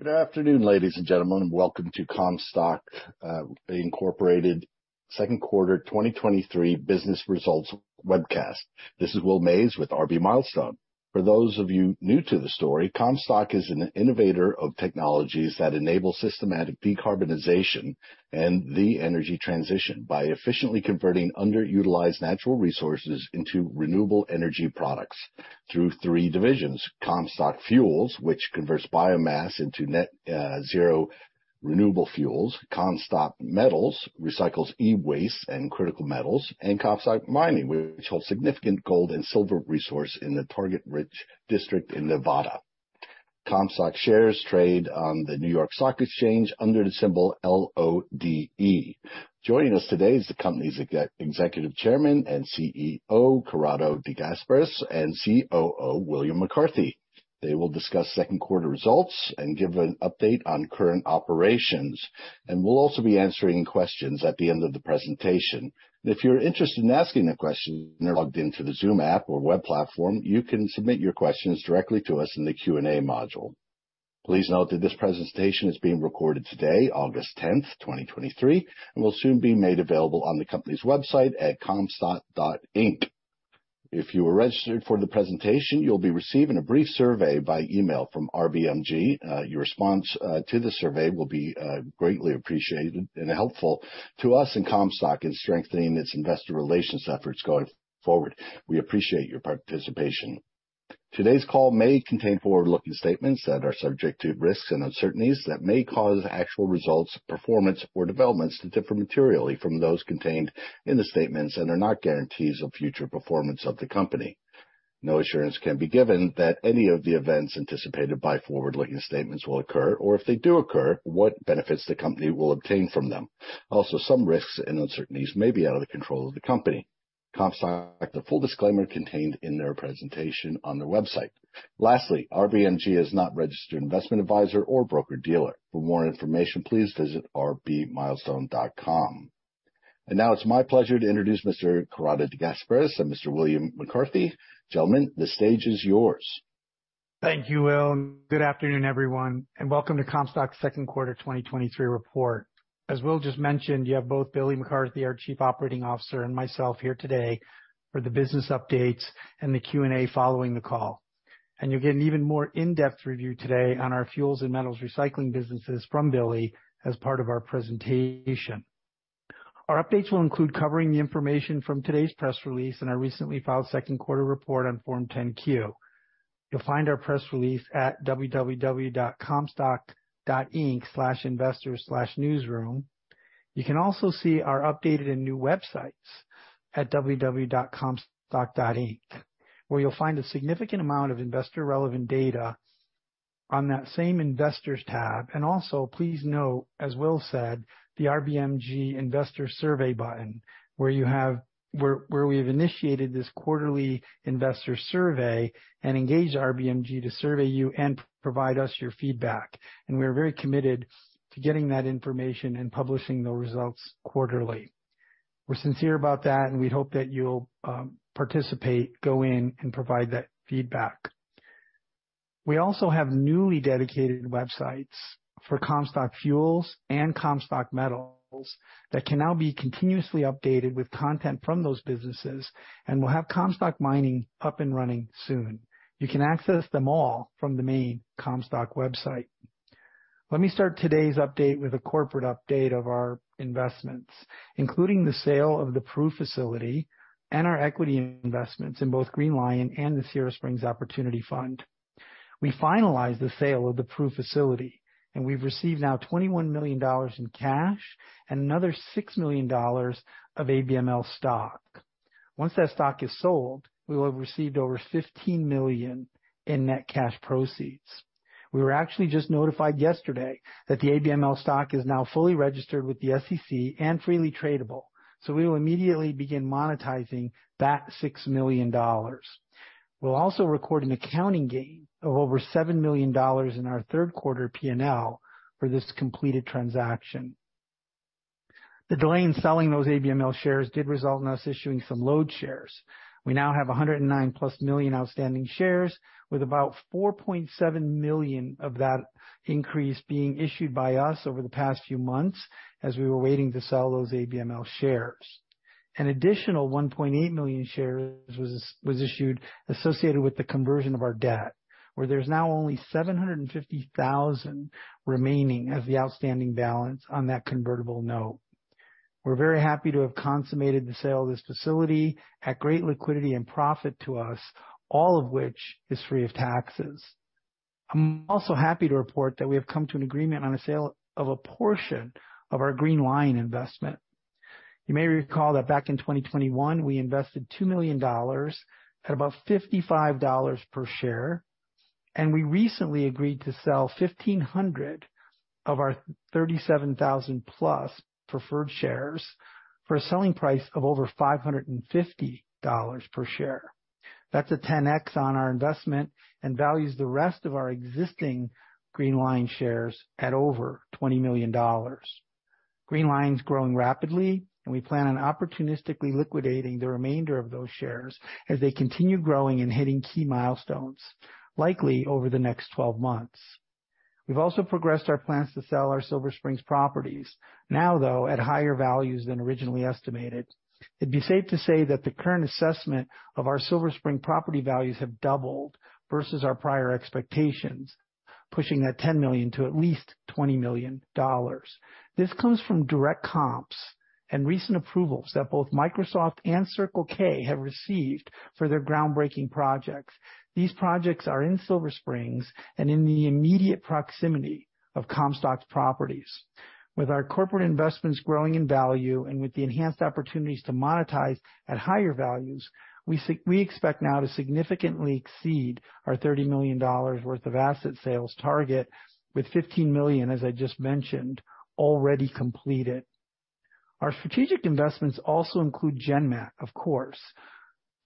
Good afternoon, ladies and gentlemen, and welcome to Comstock Incorporated second quarter 2023 business results webcast. This is Will Mays with RB Milestone. For those of you new to the story, Comstock is an innovator of technologies that enable systematic decarbonization and the energy transition by efficiently converting underutilized natural resources into renewable energy products through three divisions: Comstock Fuels, which converts biomass into net zero renewable fuels, Comstock Metals, recycles e-waste and critical metals, and Comstock Mining, which holds significant gold and silver resource in the Target Rich District in Nevada. Comstock shares trade on the New York Stock Exchange under the symbol LODE. Joining us today is the company's Executive Chairman and CEO, Corrado De Gasperis and COO, William McCarthy. They will discuss second quarter results and give an update on current operations, and we'll also be answering questions at the end of the presentation. If you're interested in asking a question when you're logged into the Zoom app or web platform, you can submit your questions directly to us in the Q&A module. Please note that this presentation is being recorded today, August 10, 2023, and will soon be made available on the company's website at comstock.inc. If you were registered for the presentation, you'll be receiving a brief survey by email from RBMG. Your response to the survey will be greatly appreciated and helpful to us and Comstock in strengthening its investor relations efforts going forward. We appreciate your participation. Today's call may contain forward-looking statements that are subject to risks and uncertainties that may cause actual results, performance, or developments to differ materially from those contained in the statements and are not guarantees of future performance of the company. No assurance can be given that any of the events anticipated by forward-looking statements will occur, or if they do occur, what benefits the company will obtain from them. Also, some risks and uncertainties may be out of the control of the company. Comstock, the full disclaimer contained in their presentation on their website. Lastly, RBMG is not registered investment advisor or broker-dealer. For more information, please visit rbmilestone.com. Now it's my pleasure to introduce Mr. Corrado De Gasperis and Mr. William McCarthy. Gentlemen, the stage is yours. Thank you, Will, good afternoon, everyone, and welcome to Comstock's second quarter 2023 report. As Will just mentioned, you have both Billy McCarthy, our Chief Operating Officer, and myself here today for the business updates and the Q&A following the call. You'll get an even more in-depth review today on our fuels and metals recycling businesses from Billy as part of our presentation. Our updates will include covering the information from today's press release and our recently filed second quarter report on Form 10-Q. You'll find our press release at www.comstock.inc/investor/newsroom. You can also see our updated and new websites at www.comstock.inc, where you'll find a significant amount of investor-relevant data on that same Investors tab. Also, please note, as Will said, the RBMG investor survey button, where you have... where we've initiated this quarterly investor survey and engaged RBMG to survey you and provide us your feedback. We're very committed to getting that information and publishing the results quarterly. We're sincere about that, and we hope that you'll participate, go in and provide that feedback. We also have newly dedicated websites for Comstock Fuels and Comstock Metals that can now be continuously updated with content from those businesses, and we'll have Comstock Mining up and running soon. You can access them all from the main Comstock website. Let me start today's update with a corporate update of our investments, including the sale of the Proof facility and our equity investments in both Green Li-ion and the Sierra Springs Opportunity Fund. We finalized the sale of the Proof facility, and we've received now $21 million in cash and another $6 million of ABML stock. Once that stock is sold, we will have received over $15 million in net cash proceeds. We were actually just notified yesterday that the ABML stock is now fully registered with the SEC and freely tradable, so we will immediately begin monetizing that $6 million. We'll also record an accounting gain of over $7 million in our third quarter PNL for this completed transaction. The delay in selling those ABML shares did result in us issuing some LODE shares. We now have 109+ million outstanding shares, with about 4.7 million of that increase being issued by us over the past few months as we were waiting to sell those ABML shares. An additional 1.8 million shares was issued associated with the conversion of our debt, where there's now only 750,000 remaining as the outstanding balance on that convertible note. We're very happy to have consummated the sale of this facility at great liquidity and profit to us, all of which is free of taxes. I'm also happy to report that we have come to an agreement on the sale of a portion of our Green Li-ion investment. You may recall that back in 2021, we invested $2 million at about $55 per share, we recently agreed to sell 1,500 of our 37,000 plus preferred shares for a selling price of over $550 per share. That's a 10x on our investment and values the rest of our existing Green Li-ion shares at over $20 million. Green Li-ion is growing rapidly. We plan on opportunistically liquidating the remainder of those shares as they continue growing and hitting key milestones, likely over the next 12 months. We've also progressed our plans to sell our Silver Springs properties, now, though, at higher values than originally estimated. It'd be safe to say that the current assessment of our Silver Springs property values have doubled versus our prior expectations, pushing that $10 million to at least $20 million. This comes from direct comps and recent approvals that both Microsoft and Circle K have received for their groundbreaking projects. These projects are in Silver Springs and in the immediate proximity of Comstock's properties. With our corporate investments growing in value and with the enhanced opportunities to monetize at higher values, we expect now to significantly exceed our $30 million worth of asset sales target, with $15 million, as I just mentioned, already completed. Our strategic investments also include GenMAT, of course,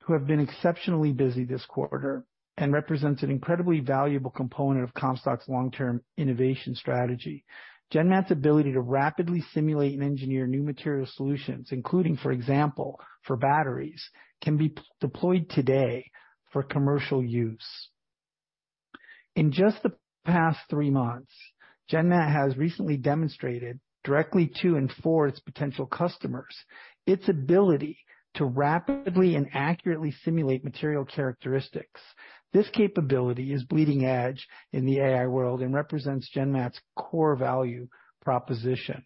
who have been exceptionally busy this quarter and represents an incredibly valuable component of Comstock's long-term innovation strategy. GenMAT's ability to rapidly simulate and engineer new material solutions, including, for example, for batteries, can be deployed today for commercial use. In just the past three months, GenMAT has recently demonstrated directly to and for its potential customers, its ability to rapidly and accurately simulate material characteristics. This capability is bleeding edge in the AI world and represents GenMAT's core value proposition.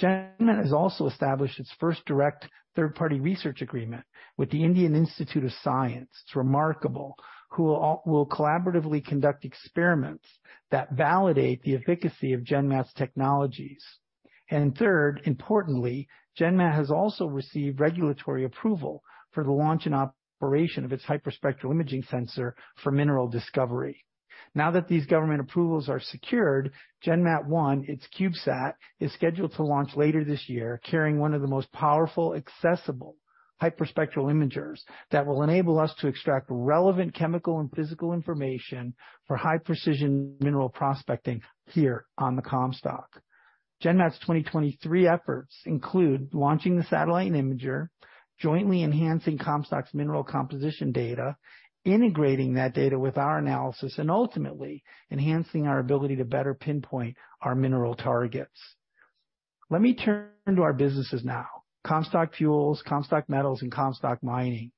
GenMAT has also established its first direct third-party research agreement with the Indian Institute of Science. It's remarkable, who will collaboratively conduct experiments that validate the efficacy of GenMat's technologies. Third, importantly, GenMat has also received regulatory approval for the launch and operation of its hyperspectral imaging sensor for mineral discovery. Now that these government approvals are secured, GENMAT-1, its CubeSat, is scheduled to launch later this year, carrying one of the most powerful, accessible hyperspectral imagers that will enable us to extract relevant chemical and physical information for high precision mineral prospecting here on the Comstock. GenMat's 2023 efforts include launching the satellite and imager, jointly enhancing Comstock's mineral composition data, integrating that data with our analysis and ultimately enhancing our ability to better pinpoint our mineral targets. Let me turn to our businesses now. Comstock Fuels, Comstock Metals, and Comstock Mining.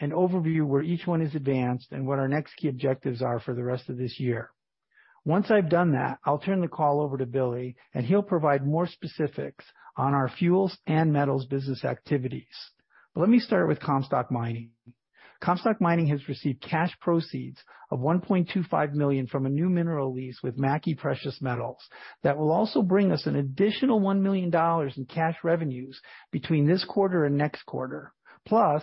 An overview where each one is advanced and what our next key objectives are for the rest of this year. Once I've done that, I'll turn the call over to Billy, and he'll provide more specifics on our fuels and metals business activities. Let me start with Comstock Mining. Comstock Mining has received cash proceeds of $1.25 million from a new mineral lease with Mackie Precious Metals. That will also bring us an additional $1 million in cash revenues between this quarter and next quarter, plus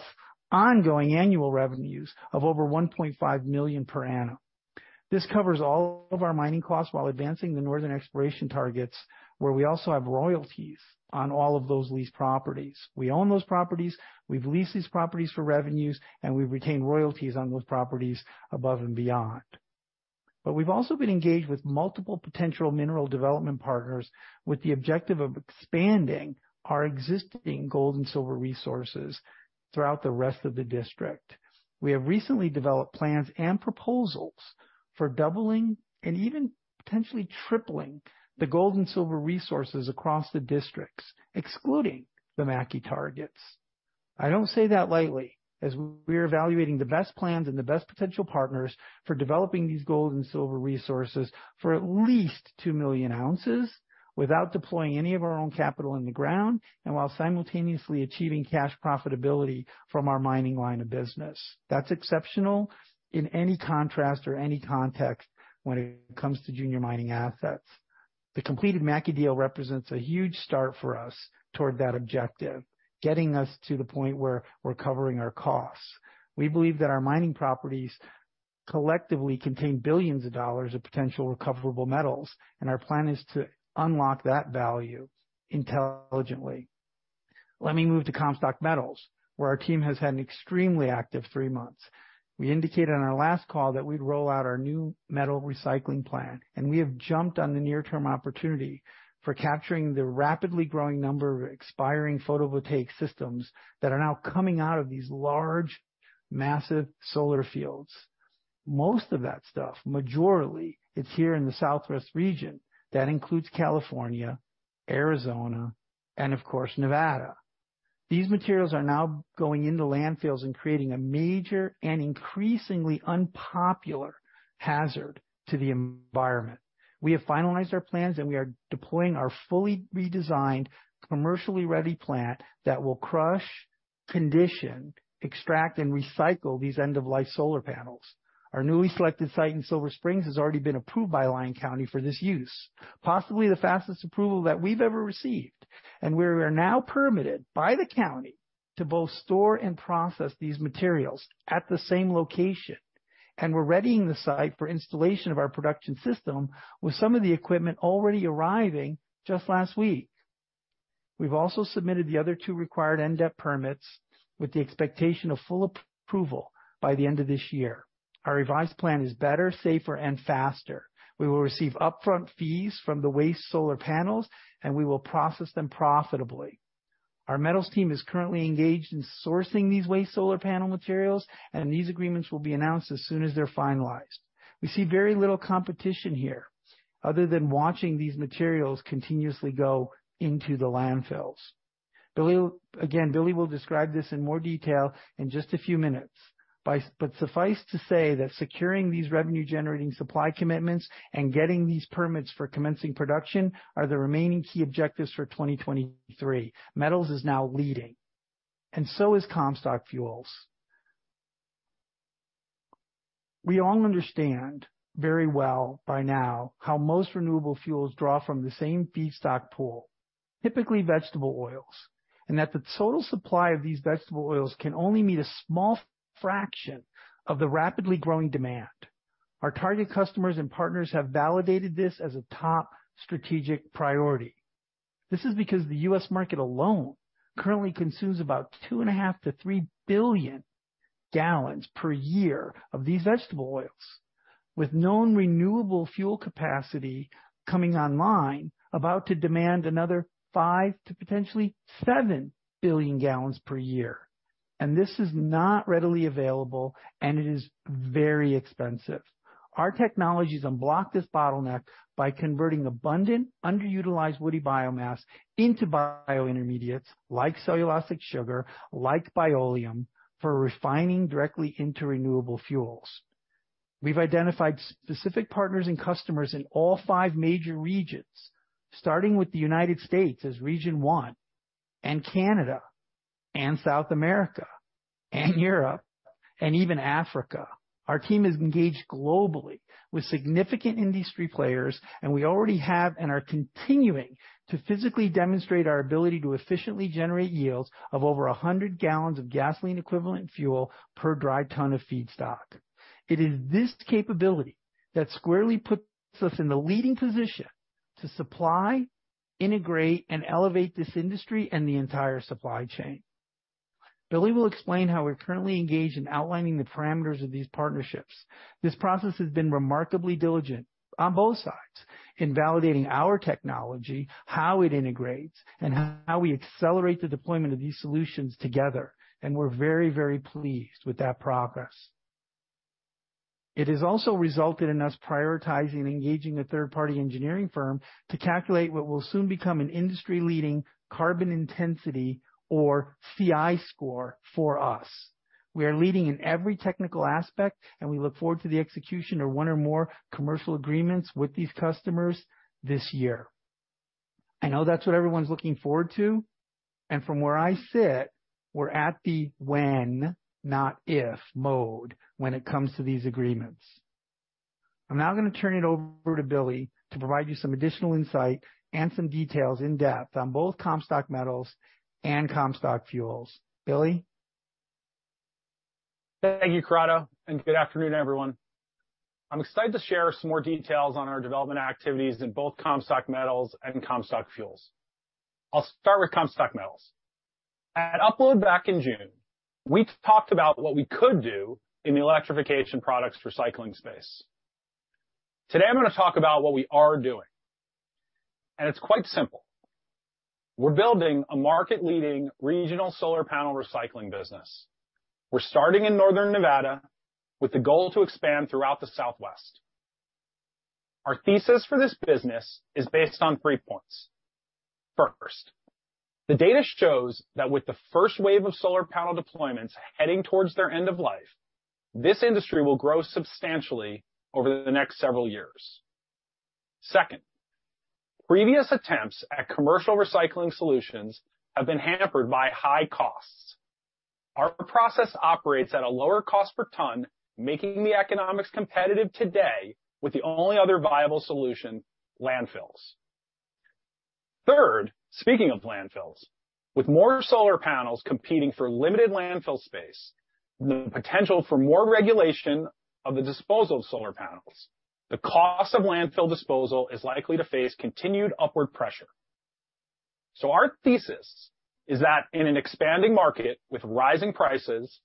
ongoing annual revenues of over $1.5 million per annum. This covers all of our mining costs while advancing the northern exploration targets, where we also have royalties on all of those leased properties. We own those properties, we've leased these properties for revenues, and we've retained royalties on those properties above and beyond. We've also been engaged with multiple potential mineral development partners with the objective of expanding our existing gold and silver resources throughout the rest of the district. We have recently developed plans and proposals for doubling and even potentially tripling the gold and silver resources across the districts, excluding the Mackie targets. I don't say that lightly, as we're evaluating the best plans and the best potential partners for developing these gold and silver resources for at least 2 million ounces, without deploying any of our own capital in the ground, and while simultaneously achieving cash profitability from our mining line of business. That's exceptional in any contrast or any context when it comes to junior mining assets. The completed Mackie deal represents a huge start for us toward that objective, getting us to the point where we're covering our costs. We believe that our mining properties collectively contain $billions of potential recoverable metals, and our plan is to unlock that value intelligently. Let me move to Comstock Metals, where our team has had an extremely active three months. We indicated on our last call that we'd roll out our new metal recycling plant, and we have jumped on the near term opportunity for capturing the rapidly growing number of expiring photovoltaic systems that are now coming out of these large, massive solar fields. Most of that stuff, majorly, it's here in the Southwest region. That includes California, Arizona, and of course, Nevada. These materials are now going into landfills and creating a major and increasingly unpopular hazard to the environment. We have finalized our plans, and we are deploying our fully redesigned, commercially ready plant that will crush, condition, extract, and recycle these end-of-life solar panels. Our newly selected site in Silver Springs has already been approved by Lyon County for this use, possibly the fastest approval that we've ever received. We are now permitted by the county to both store and process these materials at the same location. We're readying the site for installation of our production system, with some of the equipment already arriving just last week. We've also submitted the other two required in-depth permits with the expectation of full approval by the end of this year. Our revised plan is better, safer, and faster. We will receive upfront fees from the waste solar panels, and we will process them profitably. Our metals team is currently engaged in sourcing these waste solar panel materials, and these agreements will be announced as soon as they're finalized. We see very little competition here other than watching these materials continuously go into the landfills. Billy, again, Billy will describe this in more detail in just a few minutes. Suffice to say that securing these revenue-generating supply commitments and getting these permits for commencing production are the remaining key objectives for 2023. Metals is now leading, and so is Comstock Fuels. We all understand very well by now how most renewable fuels draw from the same feedstock pool, typically vegetable oils, and that the total supply of these vegetable oils can only meet a small fraction of the rapidly growing demand. Our target customers and partners have validated this as a top strategic priority. This is because the U.S. market alone currently consumes about 2.5 billion-3 billion gallons per year of these vegetable oils, with known renewable fuel capacity coming online, about to demand another 5 to potentially 7 billion gallons per year. This is not readily available, and it is very expensive. Our technologies unblock this bottleneck by converting abundant, underutilized woody biomass into bio intermediates, like cellulosic sugar, like Bioleum, for refining directly into renewable fuels. We've identified specific partners and customers in all 5 major regions, starting with the United States as region 1, and Canada, and South America, and Europe, and even Africa. Our team is engaged globally with significant industry players, and we already have and are continuing to physically demonstrate our ability to efficiently generate yields of over 100 gallons of gasoline equivalent fuel per dry ton of feedstock. It is this capability that squarely puts us in the leading position to supply, integrate, and elevate this industry and the entire supply chain. Billy will explain how we're currently engaged in outlining the parameters of these partnerships. This process has been remarkably diligent on both sides in validating our technology, how it integrates, and how we accelerate the deployment of these solutions together, and we're very, very pleased with that progress. It has also resulted in us prioritizing and engaging a third-party engineering firm to calculate what will soon become an industry-leading carbon intensity or CI score for us. We are leading in every technical aspect, and we look forward to the execution of one or more commercial agreements with these customers this year. I know that's what everyone's looking forward to, and from where I sit, we're at the when, not if, mode when it comes to these agreements. I'm now gonna turn it over to Billy to provide you some additional insight and some details in depth on both Comstock Metals and Comstock Fuels. Billy? Thank you, Corrado, and good afternoon, everyone. I'm excited to share some more details on our development activities in both Comstock Metals and Comstock Fuels. I'll start with Comstock Metals. At Upload back in June, we talked about what we could do in the electrification products recycling space. Today, I'm gonna talk about what we are doing, and it's quite simple. We're building a market-leading regional solar panel recycling business. We're starting in northern Nevada with the goal to expand throughout the Southwest. Our thesis for this business is based on three points. First, the data shows that with the first wave of solar panel deployments heading towards their end of life, this industry will grow substantially over the next several years. Second, previous attempts at commercial recycling solutions have been hampered by high costs. Our process operates at a lower cost per ton, making the economics competitive today with the only other viable solution, landfills. Third, speaking of landfills, with more solar panels competing for limited landfill space, the potential for more regulation of the disposal of solar panels, the cost of landfill disposal is likely to face continued upward pressure. Our thesis is that in an expanding market with rising prices,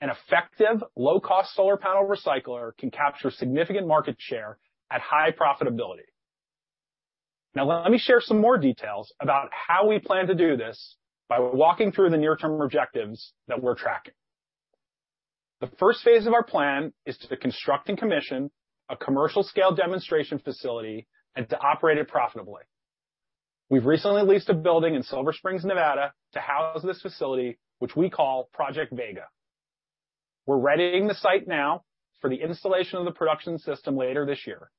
an effective, low-cost solar panel recycler can capture significant market share at high profitability. Now, let me share some more details about how we plan to do this by walking through the near term objectives that we're tracking. The first phase of our plan is to construct and commission a commercial scale demonstration facility and to operate it profitably. We've recently leased a building in Silver Springs, Nevada, to house this facility, which we call Project Vega. We're readying the site now for the installation of the production system later this year.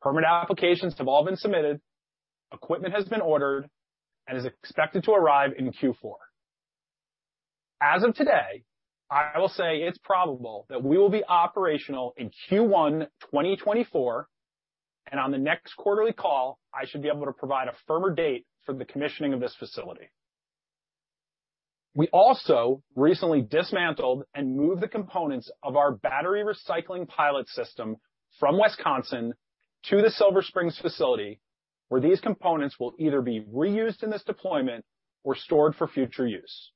Permit applications have all been submitted, equipment has been ordered, and is expected to arrive in Q4. As of today, I will say it's probable that we will be operational in Q1 2024, and on the next quarterly call, I should be able to provide a firmer date for the commissioning of this facility. We also recently dismantled and moved the components of our battery recycling pilot system from Wisconsin to the Silver Springs facility, where these components will either be reused in this deployment or stored for future use.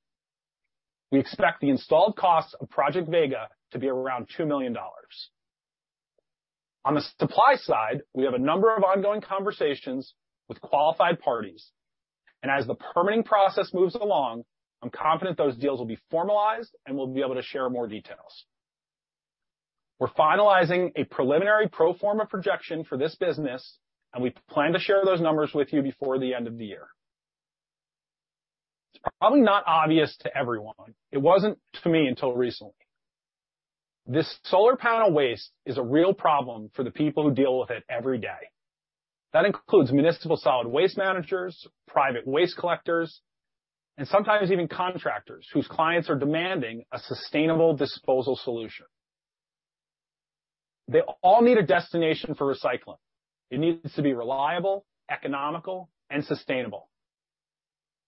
We expect the installed costs of Project Vega to be around $2 million. On the supply side, we have a number of ongoing conversations with qualified parties, and as the permitting process moves along, I'm confident those deals will be formalized, and we'll be able to share more details. We're finalizing a preliminary pro forma projection for this business, and we plan to share those numbers with you before the end of the year. It's probably not obvious to everyone. It wasn't to me until recently. This solar panel waste is a real problem for the people who deal with it every day. That includes municipal solid waste managers, private waste collectors, and sometimes even contractors whose clients are demanding a sustainable disposal solution. They all need a destination for recycling. It needs to be reliable, economical, and sustainable.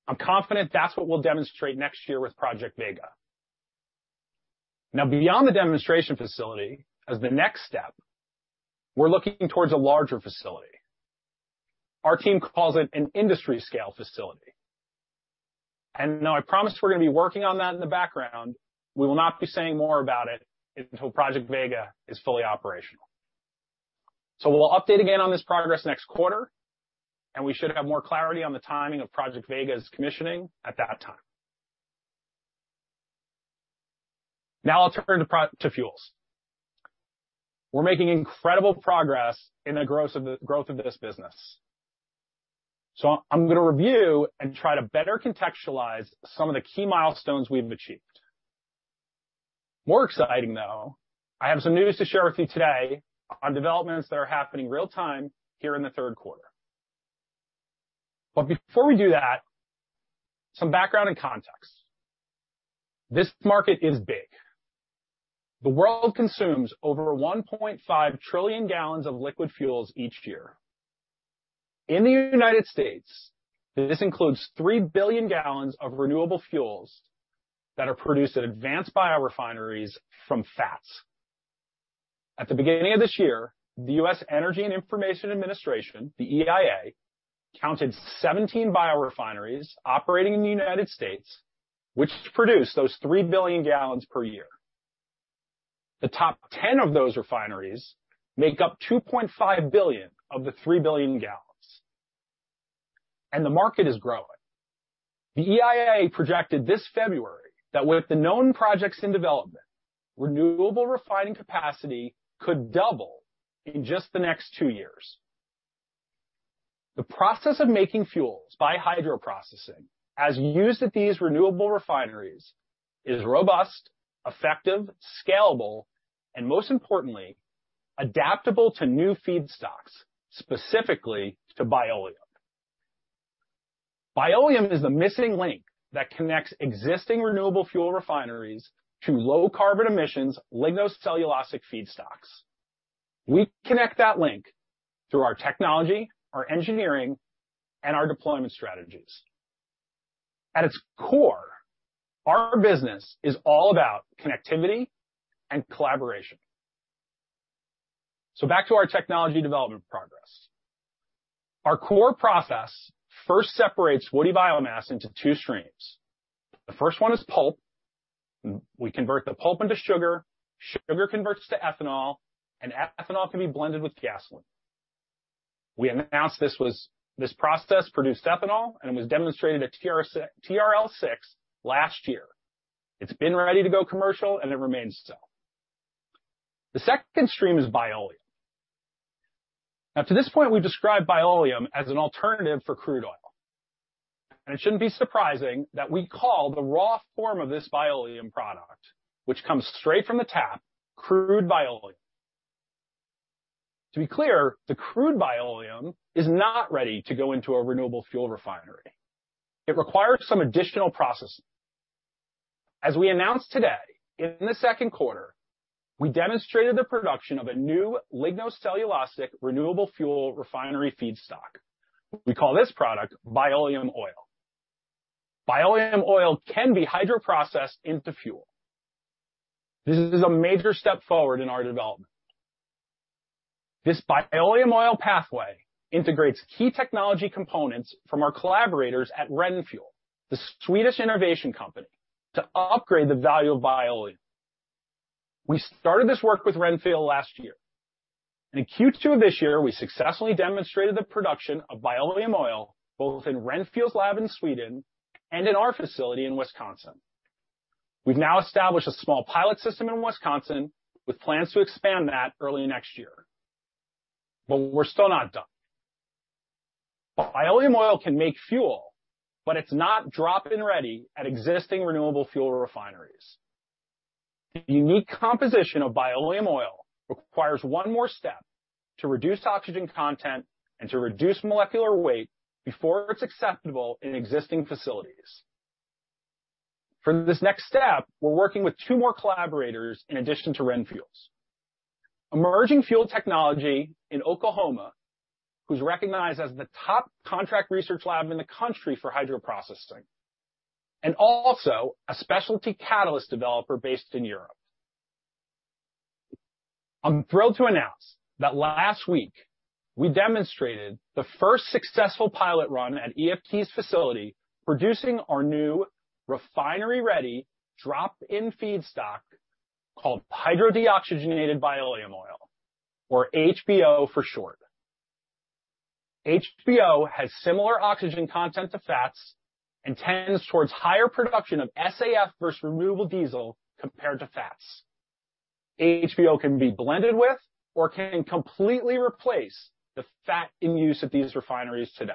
I'm confident that's what we'll demonstrate next year with Project Vega. Beyond the demonstration facility, as the next step, we're looking towards a larger facility. Our team calls it an industry scale facility, and now I promise we're going to be working on that in the background. We will not be saying more about it until Project Vega is fully operational. We'll update again on this progress next quarter, and we should have more clarity on the timing of Project Vega's commissioning at that time. I'll turn to fuels. We're making incredible progress in the growth of this business. I'm going to review and try to better contextualize some of the key milestones we've achieved. More exciting, though, I have some news to share with you today on developments that are happening real time here in the third quarter. Before we do that, some background and context. This market is big. The world consumes over 1.5 trillion gallons of liquid fuels each year. In the United States, this includes 3 billion gallons of renewable fuels that are produced at advanced biorefineries from fats. At the beginning of this year, the U.S. Energy Information Administration, the EIA, counted 17 biorefineries operating in the United States, which produce those 3 billion gallons per year. The top 10 of those refineries make up 2.5 billion of the 3 billion gallons. The market is growing. The EIA projected this February, that with the known projects in development, renewable refining capacity could double in just the next two years. The process of making fuels by hydroprocessing, as used at these renewable refineries, is robust, effective, scalable, and most importantly, adaptable to new feedstocks, specifically to Bioleum. Bioleum is the missing link that connects existing renewable fuel refineries to low carbon emissions, lignocellulosic feedstocks. We connect that link through our technology, our engineering, and our deployment strategies. At its core, our business is all about connectivity and collaboration. Back to our technology development progress. Our core process first separates woody biomass into two streams. The first one is pulp. We convert the pulp into sugar, sugar converts to ethanol, and ethanol can be blended with gasoline. We announced this process produced ethanol, and it was demonstrated at TRL 6 last year. It's been ready to go commercial, and it remains so. The second stream is Bioleum. To this point, we've described Bioleum as an alternative for crude oil, and it shouldn't be surprising that we call the raw form of this Bioleum product, which comes straight from the tap, Crude Bioleum. To be clear, the Crude Bioleum is not ready to go into a renewable fuel refinery. It requires some additional processing. As we announced today, in the Q2, we demonstrated the production of a new lignocellulosic renewable fuel refinery feedstock. We call this product Bioleum Oil. Bioleum Oil can be hydroprocessed into fuel. This is a major step forward in our development. This Bioleum Oil pathway integrates key technology components from our collaborators at RenFuel, the Swedish innovation company, to upgrade the value of Bioleum. We started this work with RenFuel last year. In Q2 of this year, we successfully demonstrated the production of Bioleum Oil, both in RenFuel's lab in Sweden and in our facility in Wisconsin. We've now established a small pilot system in Wisconsin with plans to expand that early next year. We're still not done. Bioleum Oil can make fuel, but it's not drop-in ready at existing renewable fuel refineries. The unique composition of Bioleum Oil requires one more step to reduce oxygen content and to reduce molecular weight before it's acceptable in existing facilities. For this next step, we're working with two more collaborators in addition to RenFuel. Emerging Fuels Technology in Oklahoma, who's recognized as the top contract research lab in the country for hydroprocessing, and also a specialty catalyst developer based in Europe. I'm thrilled to announce that last week we demonstrated the first successful pilot run at EFT's facility, producing our new refinery-ready, drop-in feedstock called Hydrodeoxygenated Bioleum Oil, or HBO for short. HBO has similar oxygen content to fats and tends towards higher production of SAF versus renewable diesel compared to fats. HBO can be blended with or can completely replace the fat in use at these refineries today.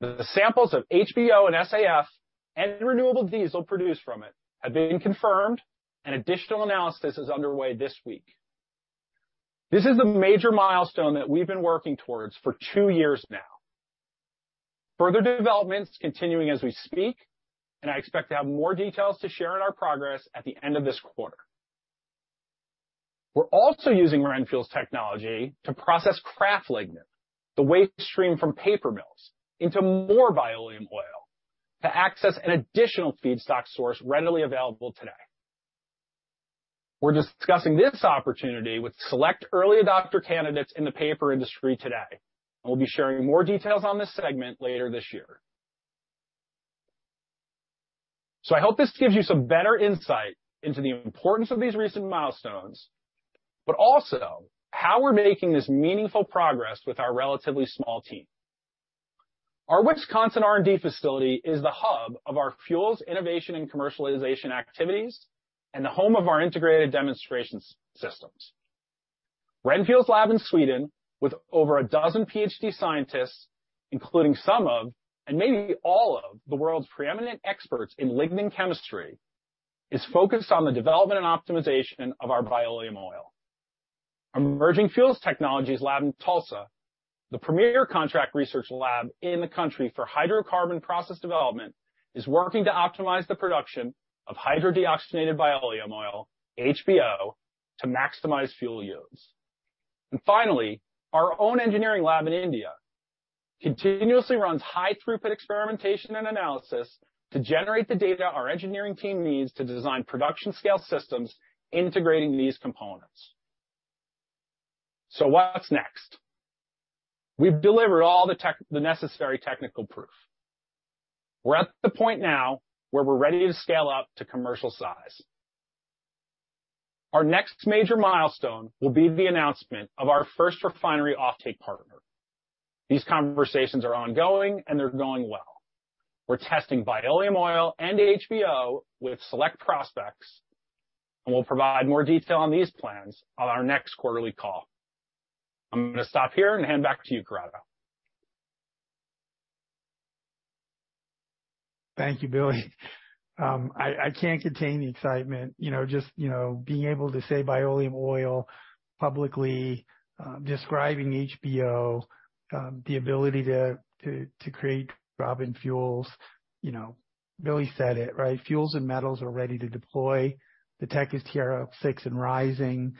The samples of HBO and SAF and renewable diesel produced from it have been confirmed. Additional analysis is underway this week. This is a major milestone that we've been working towards for two years now. Further development is continuing as we speak. I expect to have more details to share in our progress at the end of this quarter. We're also using RenFuel technology to process kraft lignin, the waste stream from paper mills, into more Bio-oil, to access an additional feedstock source readily available today. We're discussing this opportunity with select early adopter candidates in the paper industry today, and we'll be sharing more details on this segment later this year. I hope this gives you some better insight into the importance of these recent milestones, but also how we're making this meaningful progress with our relatively small team. Our Wisconsin R&D facility is the hub of our fuels, innovation, and commercialization activities and the home of our integrated demonstration systems. RenFuel's lab in Sweden, with over a dozen Ph.D. scientists, including some of and maybe all of the world's preeminent experts in lignin chemistry, is focused on the development and optimization of our Bio-oil. Emerging Fuels Technology Lab in Tulsa, the premier contract research lab in the country for hydrocarbon process development, is working to optimize the production of Hydrodeoxygenated Bioleum Oil (HBO) to maximize fuel yields. Finally, our own engineering lab in India continuously runs high-throughput experimentation and analysis to generate the data our engineering team needs to design production-scale systems integrating these components. What's next? We've delivered all the necessary technical proof. We're at the point now where we're ready to scale up to commercial size. Our next major milestone will be the announcement of our first refinery offtake partner. These conversations are ongoing, and they're going well. We're testing Bio-oil and HBO with select prospects, and we'll provide more detail on these plans on our next quarterly call. I'm going to stop here and hand back to you, Corrado. Thank you, Billy. I, I can't contain the excitement, you know, just, you know, being able to say Bio-oil publicly, describing HBO, the ability to, to, to create drop-in fuels, you know, Billy said it, right? Fuels and metals are ready to deploy. The tech is TRL 6 and rising.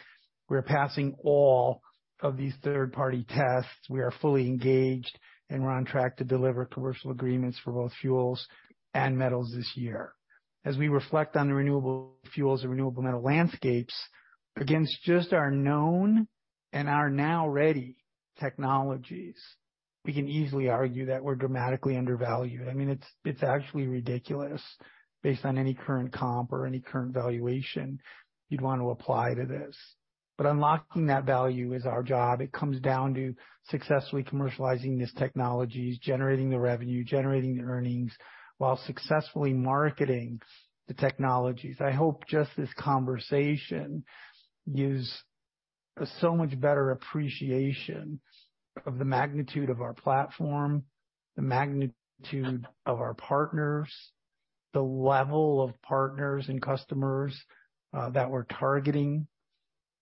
We're passing all of these third-party tests. We are fully engaged, and we're on track to deliver commercial agreements for both fuels and metals this year. As we reflect on the renewable fuels and renewable metal landscapes against just our known and our now ready technologies, we can easily argue that we're dramatically undervalued. I mean, it's, it's actually ridiculous based on any current comp or any current valuation you'd want to apply to this. Unlocking that value is our job. It comes down to successfully commercializing these technologies, generating the revenue, generating the earnings, while successfully marketing the technologies. I hope just this conversation gives a so much better appreciation of the magnitude of our platform, the magnitude of our partners, the level of partners and customers that we're targeting,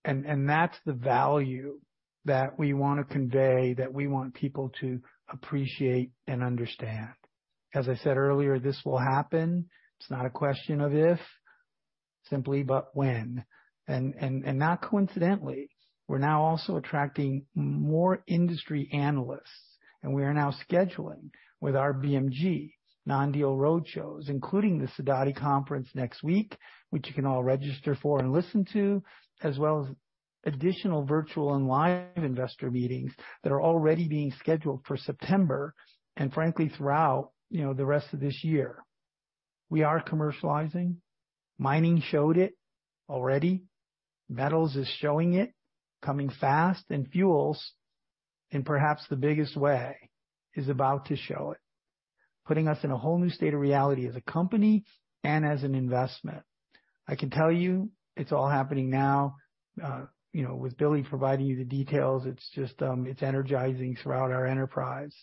and that's the value that we want to convey, that we want people to appreciate and understand. As I said earlier, this will happen. It's not a question of if, simply, but when. Not coincidentally, we're now also attracting more industry analysts, and we are now scheduling with our BMG, non-deal roadshows, including the Sidoti conference next week, which you can all register for and listen to, as well as additional virtual and live investor meetings that are already being scheduled for September and frankly, throughout, you know, the rest of this year. We are commercializing. Mining showed it already, Metals is showing it, coming fast, and Fuels, in perhaps the biggest way, is about to show it, putting us in a whole new state of reality as a company and as an investment. I can tell you it's all happening now, you know, with Billy providing you the details, it's just, it's energizing throughout our enterprise.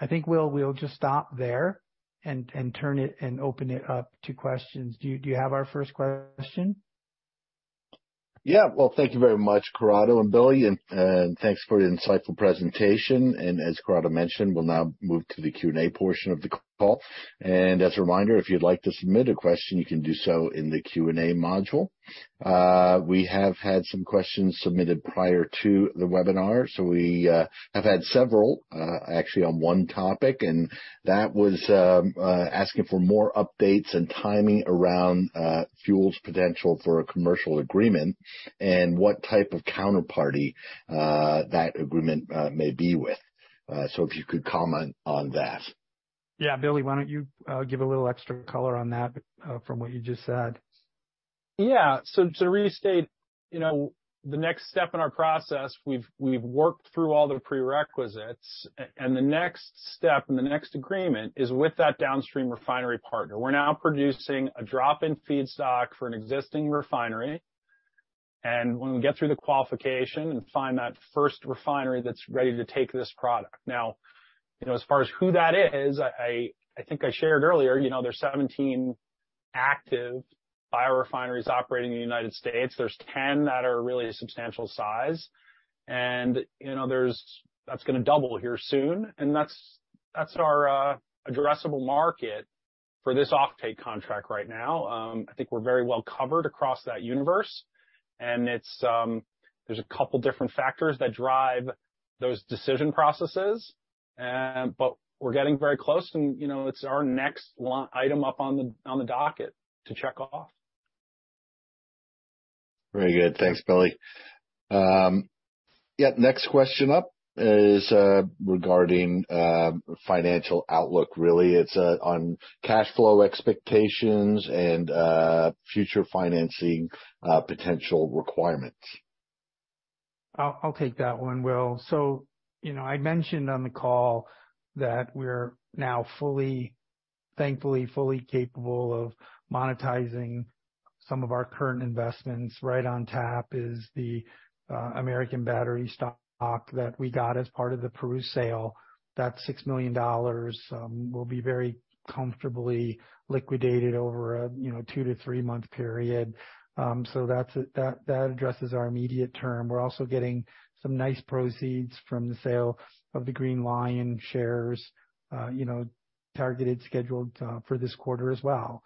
I think we'll, we'll just stop there and, and turn it and open it up to questions. Do you, do you have our first question? Yeah. Well, thank you very much, Corrado and Billy, and thanks for your insightful presentation. As Corrado mentioned, we'll now move to the Q&A portion of the call. As a reminder, if you'd like to submit a question, you can do so in the Q&A module. We have had some questions submitted prior to the webinar, so we have had several actually on one topic, and that was asking for more updates and timing around Fuels' potential for a commercial agreement and what type of counterparty that agreement may be with. If you could comment on that. Yeah, Billy, why don't you give a little extra color on that from what you just said? Yeah. To restate, you know, the next step in our process, we've, we've worked through all the prerequisites, and the next step, and the next agreement is with that downstream refinery partner. We're now producing a drop-in feedstock for an existing refinery, and when we get through the qualification and find that first refinery that's ready to take this product. You know, as far as who that is, I, I, I think I shared earlier, you know, there's 17 active biorefineries operating in the United States. There's 10 that are really a substantial size, and, you know, there's that's gonna double here soon, and that's, that's our addressable market for this offtake contract right now. I think we're very well covered across that universe, and it's, there's a couple different factors that drive those decision processes, but we're getting very close and, you know, it's our next item up on the docket to check off. Very good. Thanks, Billy. Yeah, next question up is regarding financial outlook. It's on cash flow expectations and future financing potential requirements. I'll, I'll take that one, Will. You know, I mentioned on the call that we're now fully, thankfully, fully capable of monetizing some of our current investments. Right on tap is the American Battery stock that we got as part of the Peru sale. That $6 million will be very comfortably liquidated over a, you know, 2 to 3-month period. That's, that, that addresses our immediate term. We're also getting some nice proceeds from the sale of the Green Li-ion shares, you know, targeted, scheduled, for this quarter as well.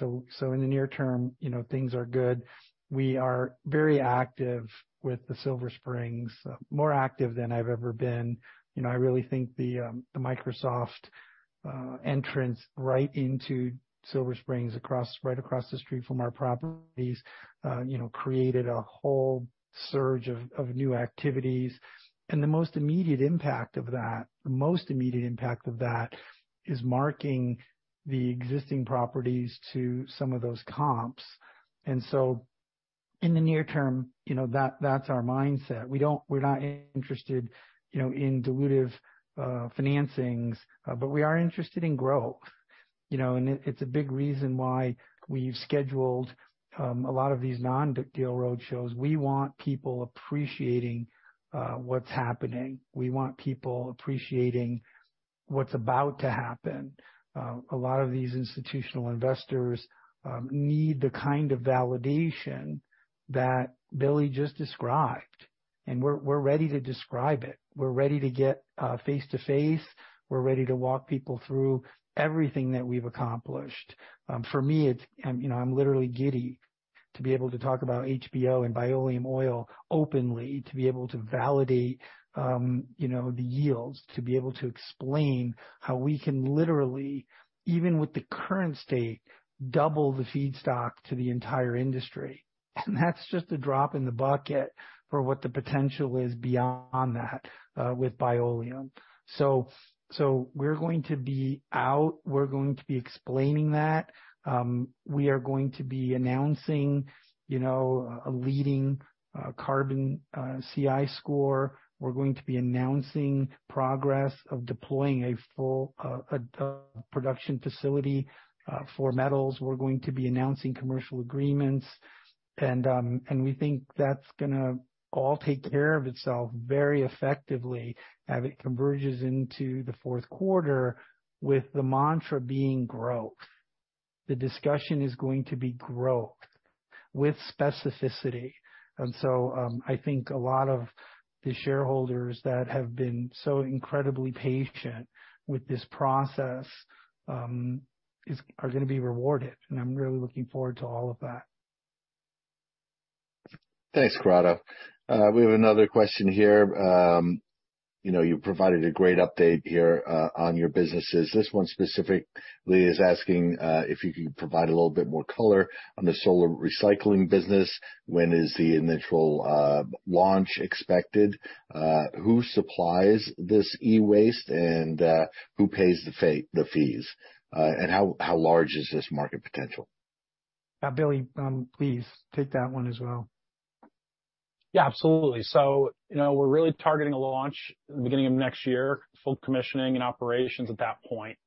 So, in the near term, you know, things are good. We are very active with the Silver Springs, more active than I've ever been. You know, I really think the Microsoft entrance right into Silver Springs, across, right across the street from our properties, you know, created a whole surge of new activities. The most immediate impact of that, the most immediate impact of that, is marking the existing properties to some of those comps. In the near term, you know, that-that's our mindset. We're not interested, you know, in dilutive financings, but we are interested in growth. You know, it's a big reason why we've scheduled a lot of these non-deal roadshows. We want people appreciating what's happening. We want people appreciating what's about to happen. A lot of these institutional investors need the kind of validation that Billy just described, we're ready to describe it. We're ready to get face-to-face. We're ready to walk people through everything that we've accomplished. For me, it's, you know, I'm literally giddy to be able to talk about HBO and Bioleum Oil openly, to be able to validate, you know, the yields, to be able to explain how we can literally, even with the current state, double the feedstock to the entire industry. That's just a drop in the bucket for what the potential is beyond that with Bioleum. So we're going to be out, we're going to be explaining that. We are going to be announcing, you know, a leading carbon CI score. We're going to be announcing progress of deploying a full production facility for metals. We're going to be announcing commercial agreements, and we think that's gonna all take care of itself very effectively as it converges into the fourth quarter with the mantra being growth. The discussion is going to be growth with specificity. I think a lot of the shareholders that have been so incredibly patient with this process, are gonna be rewarded, and I'm really looking forward to all of that. Thanks, Corrado. We have another question here. You know, you provided a great update here on your businesses. This one specifically is asking if you could provide a little bit more color on the solar recycling business. When is the initial launch expected? Who supplies this e-waste, and who pays the fees? How large is this market potential? Billy, please take that one as well. Yeah, absolutely. You know, we're really targeting a launch in the beginning of next year, full commissioning and operations at that point.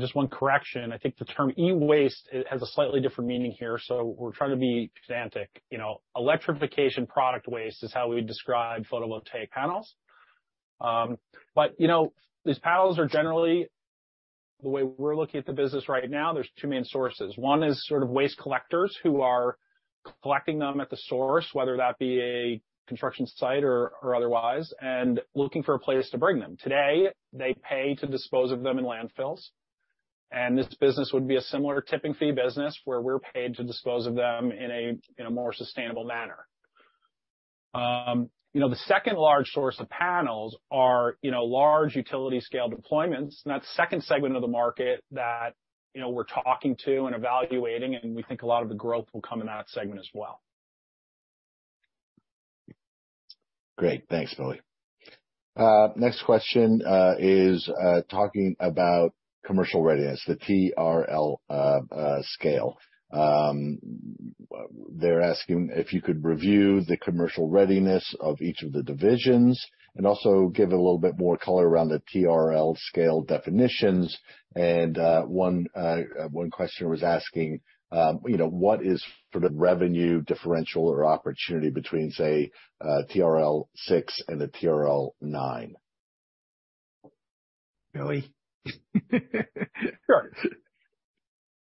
Just one correction, I think the term e-waste has a slightly different meaning here, so we're trying to be pedantic. You know, electrification product waste is how we describe photovoltaic panels. You know, these panels are generally... The way we're looking at the business right now, there's two main sources. One is sort of waste collectors who are collecting them at the source, whether that be a construction site or, or otherwise, and looking for a place to bring them. Today, they pay to dispose of them in landfills, and this business would be a similar tipping fee business, where we're paid to dispose of them in a, in a more sustainable manner. You know, the second large source of panels are, you know, large utility scale deployments, and that's the second segment of the market that, you know, we're talking to and evaluating, and we think a lot of the growth will come in that segment as well. Great. Thanks, Billy. Next question is talking about commercial readiness, the TRL scale. They're asking if you could review the commercial readiness of each of the divisions and also give a little bit more color around the TRL scale definitions. One one question was asking, you know, what is for the revenue differential or opportunity between, say, TRL 6 and a TRL 9? Billy? Sure.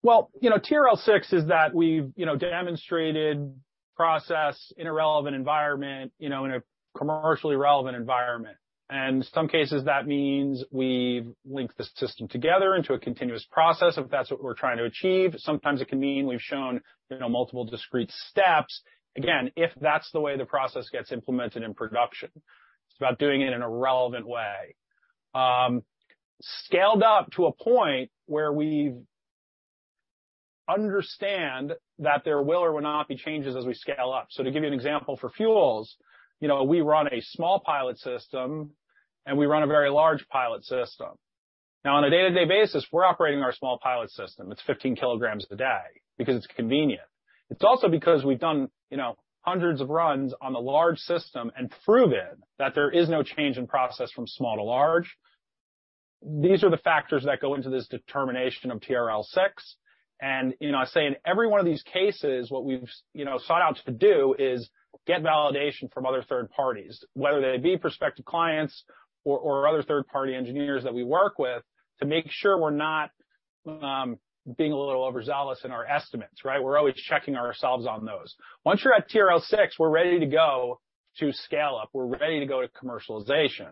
Well, you know, TRL 6 is that we've, you know, demonstrated process in a relevant environment, you know, in a commercially relevant environment. In some cases, that means we've linked the system together into a continuous process, if that's what we're trying to achieve. Sometimes it can mean we've shown, you know, multiple discrete steps, again, if that's the way the process gets implemented in production. It's about doing it in a relevant way. Scaled up to a point where we've understand that there will or will not be changes as we scale up. To give you an example, for fuels, you know, we run a small pilot system, and we run a very large pilot system. Now, on a day-to-day basis, we're operating our small pilot system. It's 15 kilograms a day because it's convenient. It's also because we've done, you know, hundreds of runs on the large system and proven that there is no change in process from small to large. These are the factors that go into this determination of TRL 6, and, you know, I say in every one of these cases, what we've, you know, sought out to do is get validation from other third parties, whether they be prospective clients or, or other third-party engineers that we work with, to make sure we're not being a little overzealous in our estimates, right? We're always checking ourselves on those. Once you're at TRL 6, we're ready to go to scale up. We're ready to go to commercialization.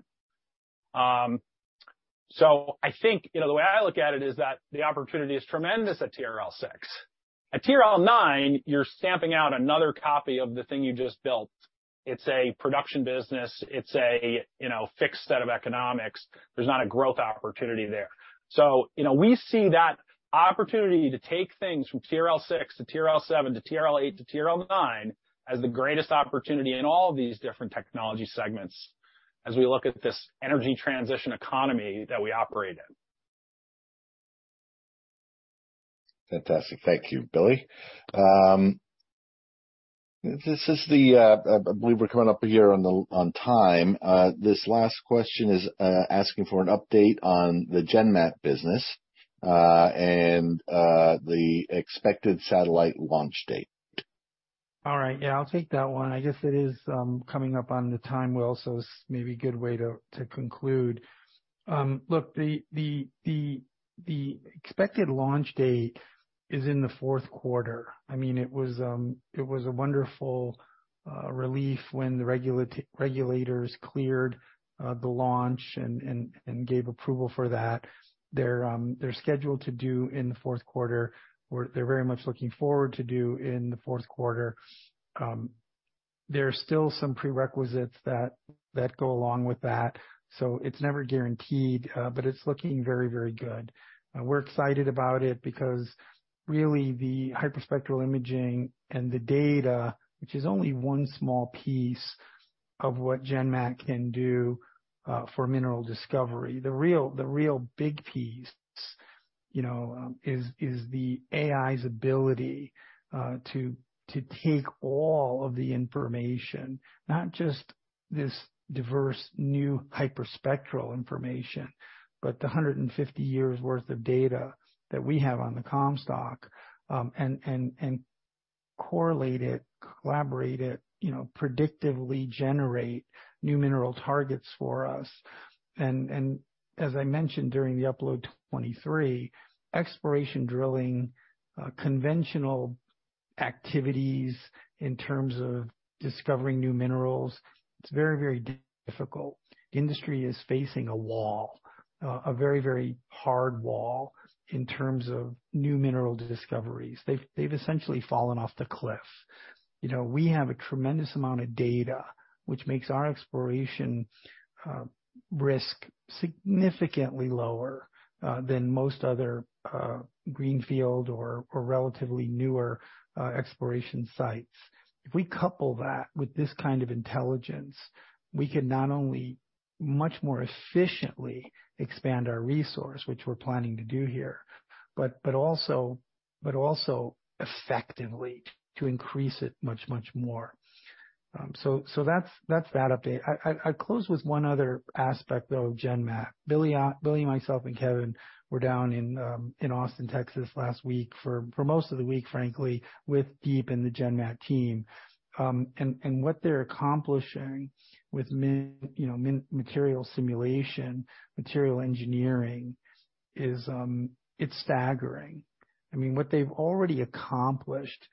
I think, you know, the way I look at it is that the opportunity is tremendous at TRL 6. At TRL 9, you're stamping out another copy of the thing you just built. It's a you know, fixed set of economics. There's not a growth opportunity there. You know, we see that opportunity to take things from TRL 6 to TRL 7 to TRL 8 to TRL 9, as the greatest opportunity in all these different technology segments as we look at this energy transition economy that we operate in. Fantastic. Thank you, Billy. This is the, we were coming up here on the, on time. This last question is asking for an update on the GenMat business and the expected satellite launch date. All right. Yeah, I'll take that one. I guess it is coming up on the time well, so it's maybe a good way to, to conclude. Look, the expected launch date is in the fourth quarter. I mean, it was a wonderful relief when the regulators cleared the launch and gave approval for that. They're scheduled to do in the fourth quarter, or they're very much looking forward to do in the fourth quarter. There are still some prerequisites that go along with that, so it's never guaranteed, but it's looking very, very good. We're excited about it because really, the hyperspectral imaging and the data, which is only 1 small piece of what GenMat can do for mineral discovery, the real, the real big piece, you know, is, is the AI's ability to, to take all of the information, not just this diverse, new hyperspectral information, but the 150 years worth of data that we have on the Comstock, and, and, and correlate it, collaborate it, you know, predictively generate new mineral targets for us. As I mentioned during the Upload Twenty-Three, exploration drilling, conventional activities in terms of discovering new minerals, it's very, very difficult. The industry is facing a wall, a very, very hard wall in terms of new mineral discoveries. They've, they've essentially fallen off the cliff. You know, we have a tremendous amount of data which makes our exploration risk significantly lower than most other greenfield or relatively newer exploration sites. If we couple that with this kind of intelligence, we can not only much more efficiently expand our resource, which we're planning to do here, but also effectively to increase it much, much more. That's, that's that update. I'll close with one other aspect, though, GenMAT. Billy, Billy, myself, and Kevin were down in Austin, Texas, last week for most of the week, frankly, with Deep and the GenMAT team. What they're accomplishing with you know, material simulation, material engineering, is staggering. I mean, what they've already accomplished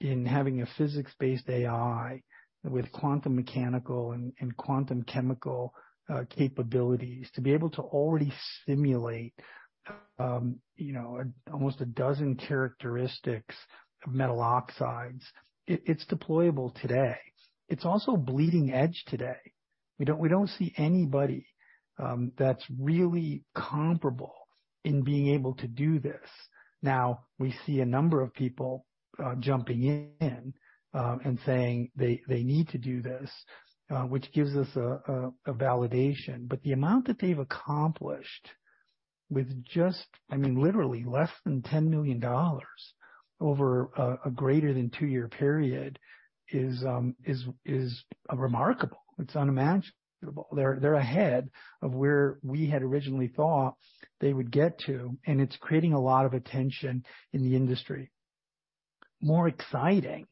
in having a physics-based AI with quantum mechanical and quantum chemical capabilities, to be able to already simulate, you know, almost a dozen characteristics of metal oxides, it, it's deployable today. It's also bleeding edge today. We don't, we don't see anybody that's really comparable in being able to do this. Now, we see a number of people jumping in and saying they, they need to do this, which gives us a validation. But the amount that they've accomplished with just, I mean, literally less than $10 million over a greater than 2-year period is remarkable. It's unimaginable. They're, they're ahead of where we had originally thought they would get to, and it's creating a lot of attention in the industry. More exciting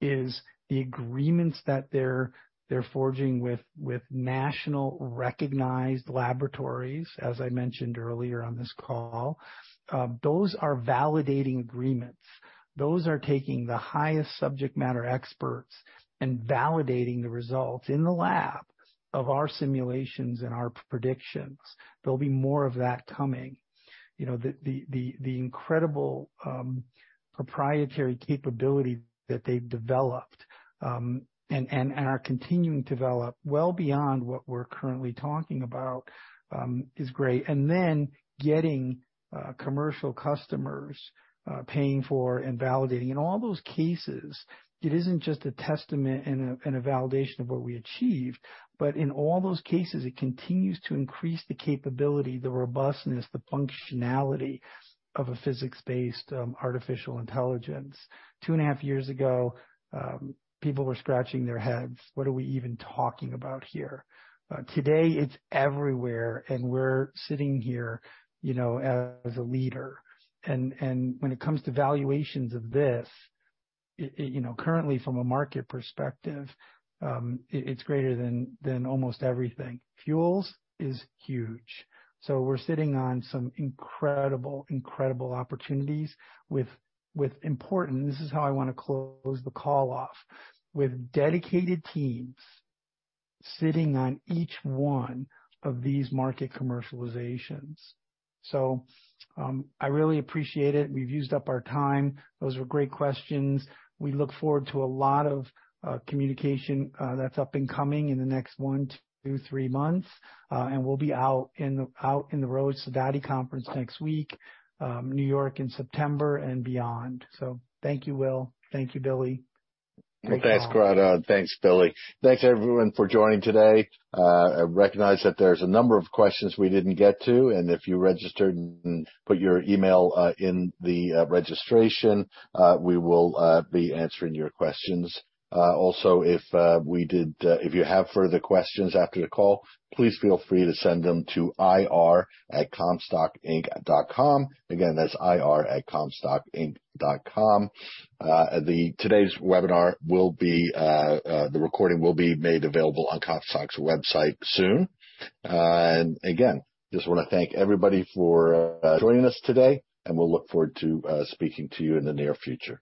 is the agreements that they're, they're forging with, with national recognized laboratories, as I mentioned earlier on this call. Those are validating agreements. Those are taking the highest subject matter experts and validating the results in the lab of our simulations and our predictions. There'll be more of that coming. You know, the, the, the, the incredible proprietary capability that they've developed and are continuing to develop well beyond what we're currently talking about is great. Then getting commercial customers paying for and validating. In all those cases, it isn't just a testament and a, and a validation of what we achieved, but in all those cases, it continues to increase the capability, the robustness, the functionality of a physics-based artificial intelligence. Two and a half years ago, people were scratching their heads, "What are we even talking about here?" Today, it's everywhere, and we're sitting here, you know, as a leader. When it comes to valuations of this, it, it you know, currently from a market perspective, it, it's greater than, than almost everything. Fuels is huge. We're sitting on some incredible, incredible opportunities with, with important... This is how I wanna close the call off, with dedicated teams sitting on each one of these market commercializations. I really appreciate it. We've used up our time. Those were great questions. We look forward to a lot of communication that's up and coming in the next 1-3 months. We'll be out in, out in the road, Sidoti conference next week, New York in September and beyond. Thank you, Will. Thank you, Billy. Thanks, Corrado. Thanks, Billy. Thanks, everyone, for joining today. I recognize that there's a number of questions we didn't get to, and if you registered and put your email in the registration, we will be answering your questions. Also, if we did, if you have further questions after the call, please feel free to send them to ir@comstockinc.com. Again, that's ir@comstockinc.com. Today's webinar will be, the recording will be made available on Comstock's website soon. Again, just wanna thank everybody for joining us today, and we'll look forward to speaking to you in the near future.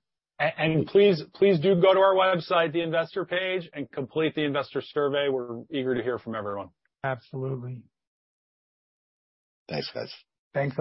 Please, please do go to our website, the investor page, and complete the investor survey. We're eager to hear from everyone. Absolutely. Thanks, guys. Thanks, all.